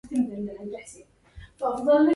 عندي يد غراء أهدتها السرى